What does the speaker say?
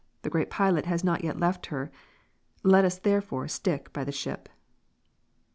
The Great Pilot has not yet left her. Let us therefore stick by the ship.